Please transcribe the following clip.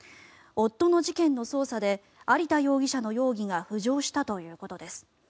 夫の事件の捜査で有田容疑者の容疑が浮上したということです。